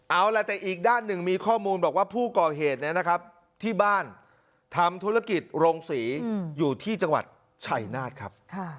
เอาล่ะแต่อีกด้านหนึ่งมีข้อมูลบอกว่าผู้ก่อเหตุที่บ้านทำธุรกิจโรงศรีอยู่ที่จังหวัดชัยนาธครับ